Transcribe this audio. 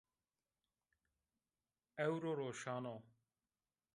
Ewro roşan o